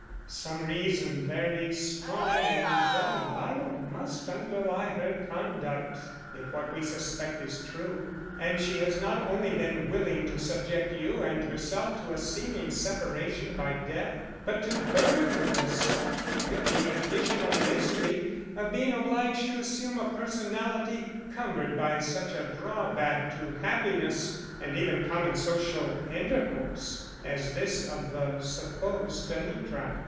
"Some reason very strong and very vital must underlie her conduct if what we suspect is true, and she has not only been willing to subject you and herself to a seeming separation by death, but to burden herself with the additional misery of being obliged to assume a personality cumbered by such a drawback to happiness and even common social intercourse as this of the supposed Anitra."